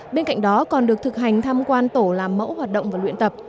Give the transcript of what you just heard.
bên cạnh đó còn được thực hành tham quan tổ làm mẫu hoạt động và luyện tập